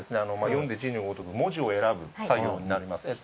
読んで字のごとく文字を選ぶ作業になります。